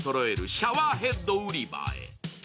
シャワーヘッド売り場へ。